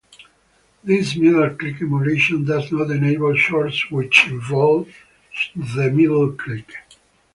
This middle-click emulation does not enable chords which involve the middle click.